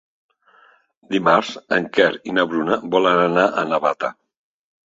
Dimarts en Quer i na Bruna volen anar a Navata.